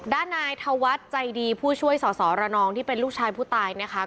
ด้านนายธวัฒน์ใจดีผู้ช่วยสอสอระนองที่เป็นลูกชายผู้ตายนะคะ